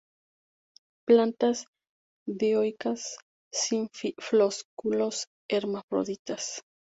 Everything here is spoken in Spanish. Plantas dioicas; sin flósculos hermafroditas.